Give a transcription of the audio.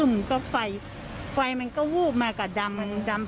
ไม่ค่ะขอบคุณค่ะ